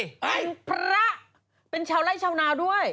เป็นพระเป็นชาวไล่ชาวนาด้วย